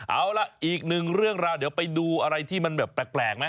เอาล่ะอีกหนึ่งเรื่องราวเดี๋ยวไปดูอะไรที่มันแบบแปลกไหม